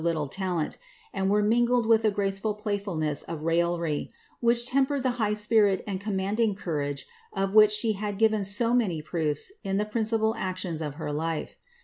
little talent, and were mingled with a graceful playfulnaM of railler which tempered tlie high spirit and commanding courage of which al had given so many proofs in the principal actions of net life.